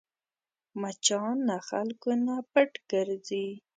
مچان له خلکو نه پټ ګرځي